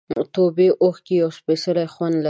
د توبې اوښکې یو سپېڅلی خوند لري.